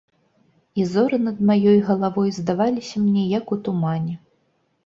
І зоры над маёй галавой здаваліся мне, як у тумане.